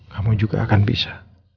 kamu juga akan bisa